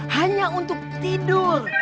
hanya untuk tidur